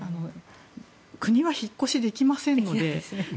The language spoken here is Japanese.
国は引っ越しできませんので。